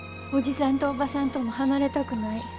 おじさんとおばさんとも離れたくない。